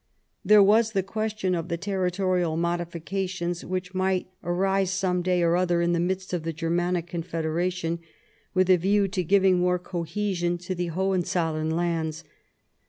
There was the question of the territorial modi fications which might arise some day or other in the midst of the Germanic Confederation with a view to giving more cohesion to the Hohenzollern lands.